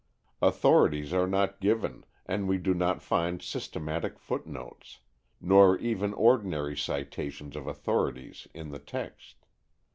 Authorities are not given and we do not find systematic footnotes, nor even ordinary citations of authorities in the text.